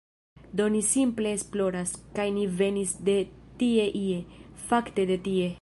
Do ni simple esploras, kaj ni venis de tie ie, fakte de tie.